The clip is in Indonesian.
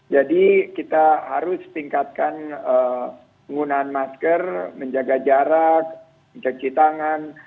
jadi kita harus tingkatkan penggunaan masker menjaga jarak mencaci tangan